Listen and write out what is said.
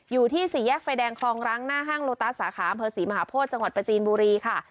อยู่ที่สี่แยกไฟแดงคลองรังหน้าห้างโลตัสสาขาอำเภอศรีมหาโพธิจังหวัดประจีนบุรีค่ะ